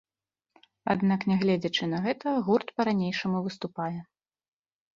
Аднак нягледзячы на гэта гурт па-ранейшаму выступае.